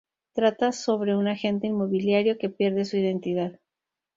Trata sobre un agente inmobiliario que pierde su identidad.